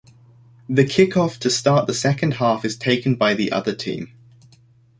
The kick-off to start the second half is taken by the other team.